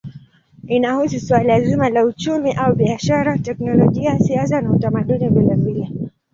Inahusu suala zima la uchumi au biashara, teknolojia, siasa na utamaduni vilevile.